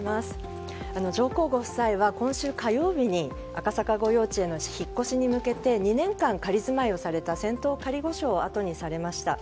上皇ご夫妻は今週火曜日に赤坂御用地への引っ越しに向けて２年間仮住まいをされた仙洞仮御所をあとにしました。